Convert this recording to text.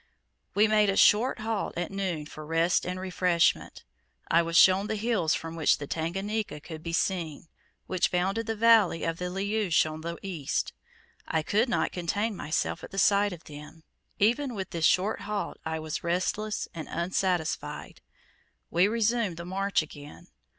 We made a short halt at noon, for rest and refreshment. I was shown the hills from which the Tanganika could be seen, which bounded the valley of the Liuche on the east. I could not contain myself at the sight of them. Even with this short halt I was restless and unsatisfied. We resumed the march again.